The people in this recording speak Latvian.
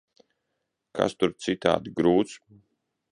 Kas tur citādi grūts?